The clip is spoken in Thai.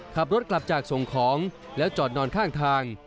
ขับรถกลับจากส่งของแล้วจอดนอนข้างทาง